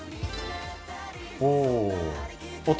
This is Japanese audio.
おお。